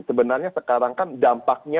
sebenarnya sekarang kan dampaknya